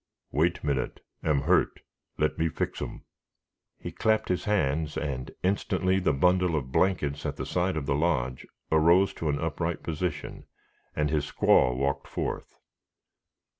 "Wait minute; am hurt; let me fix 'em." He clapped his hands, and instantly the bundle of blankets at the side of the lodge arose to an upright position, and his squaw walked forth.